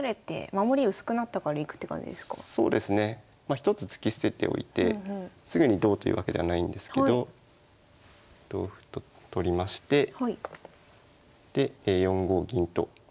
１つ突き捨てておいてすぐにどうというわけではないんですけど同歩と取りましてで４五銀と。